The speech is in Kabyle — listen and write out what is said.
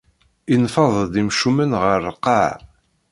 Ineffeḍ-d imcumen ɣer lqaɛa.